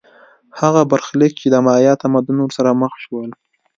هغه برخلیک چې د مایا تمدن ورسره مخ شول